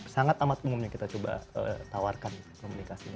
sangat amat umumnya kita coba tawarkan komunikasinya